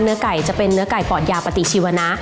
ไก่จะเป็นเนื้อไก่ปอดยาปฏิชีวนะ